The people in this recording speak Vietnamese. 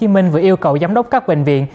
sở y tế tp hcm vừa yêu cầu giám đốc các bệnh viện